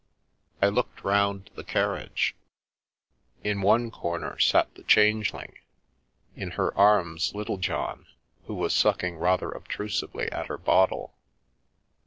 I looked round the carriage. In one corner sat the Changeling, in her arms, Littlejohn, who was sucking rather obtrusively at her bottle.